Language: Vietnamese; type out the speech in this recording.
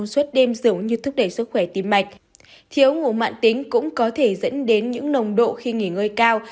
sức khỏe tim mạch thiếu ngủ mạng tính cũng có thể dẫn đến những nồng độ khi nghỉ ngơi cao